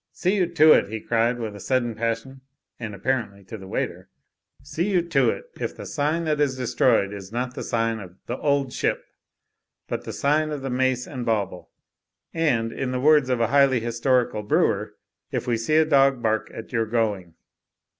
See you to it," he cried with sudden passion and apparently to the waiter, "see you to it if the sign that is destroyed is not the sign of 'The Old Ship' but the sign of the Mace and Bauble, and, in the words of a highly historical brewer, if we see a dog bark at your going."